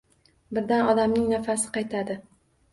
Birdan odamning nafasi qaytadi!